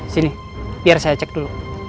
sini biar saya cek dulu